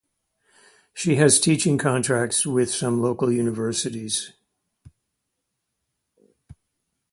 She has teaching contracts with some local universities.